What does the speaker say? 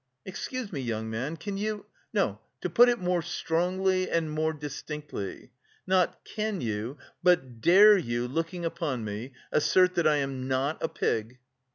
Excuse me, young man, can you.... No, to put it more strongly and more distinctly; not can you but dare you, looking upon me, assert that I am not a pig?"